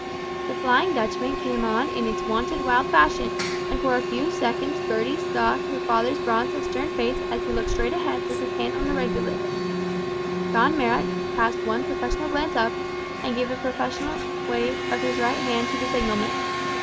The "Flying Dutchman" came on in its wonted wild fashion, and for a few seconds Gertie saw her father's bronzed and stern face as he looked straight ahead with his hand on the regulator. John Marrot cast one professional glance up, and gave a professional wave of his right hand to the signalman.